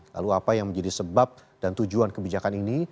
lalu apa yang menjadi sebab dan tujuan kebijakan ini